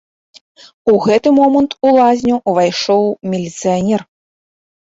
У гэты момант у лазню ўвайшоў міліцыянер.